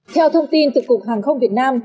theo thông tin từ cục hàng không việt nam